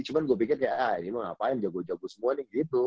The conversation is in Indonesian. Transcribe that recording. cuma gue pikir ya ah ini mau ngapain jago jago semua nih gitu